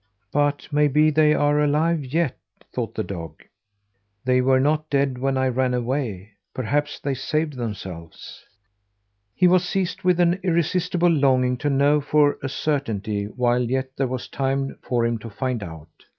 "But maybe they are alive yet!" thought the dog. "They were not dead when I ran away; perhaps they saved themselves." He was seized with an irresistible longing to know for a certainty while yet there was time for him to find out.